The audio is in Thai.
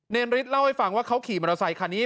ฤทธิเล่าให้ฟังว่าเขาขี่มอเตอร์ไซคันนี้